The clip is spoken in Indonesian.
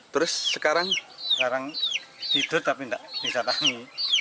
terus sekarang sekarang tidur tapi tidak bisa tangi